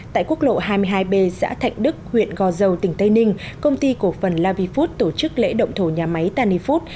tại quốc lộ hai mươi hai b giã thạnh đức huyện gò dầu tỉnh tây ninh công ty cổ phần lavifood tổ chức lễ động thổ nhà máy tanifood